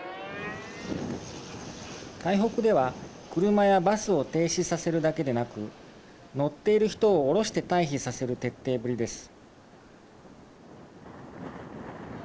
台北では車やバスを停止させるだけでなく乗っている人を降ろして退避させる徹底ぶりです。